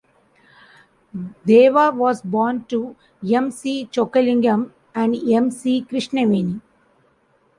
Deva was born to M. C. Chokkalingam and M. C. Krishnaveni.